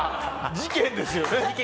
事件ですよね。